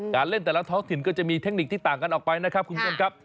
เล่นแต่ละท้องถิ่นก็จะมีเทคนิคที่ต่างกันออกไปนะครับคุณผู้ชมครับ